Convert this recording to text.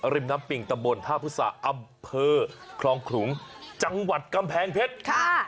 ริมน้ำปิงตำบลท่าพุษาอำเภอคลองขลุงจังหวัดกำแพงเพชรค่ะ